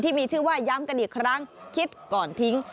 ที่มีชื่อว่าย้ำกันอีกครั้งคิดก่อนทิ้ง